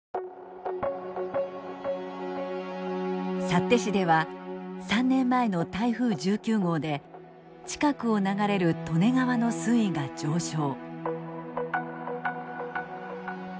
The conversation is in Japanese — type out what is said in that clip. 幸手市では３年前の台風１９号で近くを流れる利根川の水位が上昇。